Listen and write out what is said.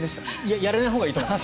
やらないほうがいいと思います。